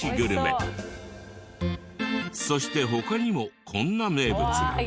そして他にもこんな名物が。